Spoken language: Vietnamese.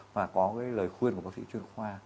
và có cái lời khuyên của bác sĩ chuyên khoa